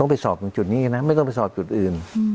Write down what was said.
ไปสอบตรงจุดนี้นะไม่ต้องไปสอบจุดอื่น